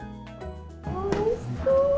おいしそう。